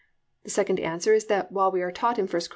The second answer is that while we are taught in I Cor.